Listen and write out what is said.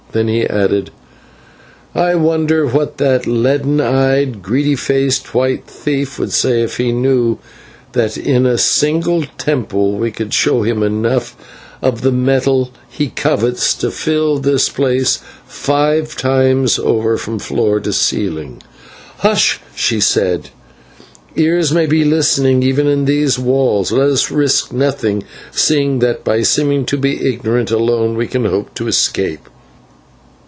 Then he added: "'I wonder what that leaden faced, greedy eyed white thief would say if he knew that in a single temple we could show him enough of the metal he covets to fill this place five times over from floor to ceiling.' "'Hush!' she said, 'ears may be listening even in these walls; let us risk nothing, seeing that by seeming to be ignorant alone we can hope to escape.'"